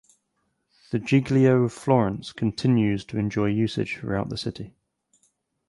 The Giglio of Florence continues to enjoy usage throughout the city.